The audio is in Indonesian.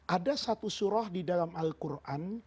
ada satu surah di dalam al quran